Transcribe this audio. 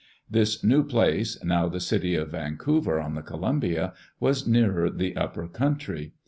This new place, now the city of Vancouver, on the Columbia, was nearer the upper country.